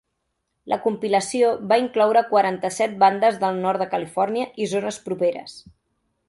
La compilació va incloure quaranta-set bandes del nord de Califòrnia i zones properes.